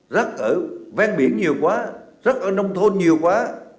rác ở ven biển nhiều quá rắc ở nông thôn nhiều quá